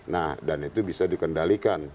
nah dan itu bisa dikendalikan